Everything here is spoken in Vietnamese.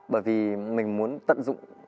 bởi vì mình muốn tận dụng